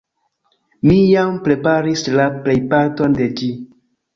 Mi jam preparis la plejparton de ĝi.